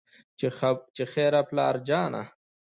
چې خېره پلار جانه